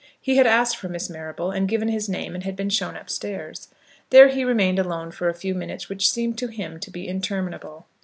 He had asked for Miss Marrable, had given his name, and had been shown upstairs. There he remained alone for a few minutes which seemed to him to be interminable.